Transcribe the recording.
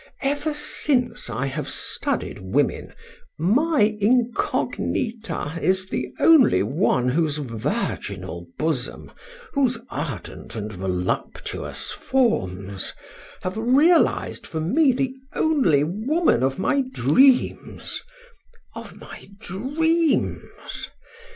Ever since I have studied women, my incognita is the only one whose virginal bosom, whose ardent and voluptuous forms, have realized for me the only woman of my dreams of my dreams!